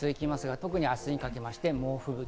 特に明日にかけて猛吹雪。